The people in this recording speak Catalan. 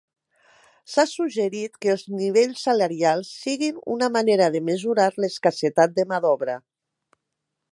S'ha suggerit que els nivells salarials siguin una manera de mesurar l'escassetat de mà d'obra.